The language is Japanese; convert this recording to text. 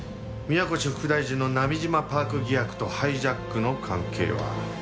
宮越副大臣の波島パーク疑惑とハイジャックの関係は？